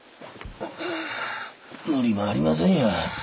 無理もありませんや。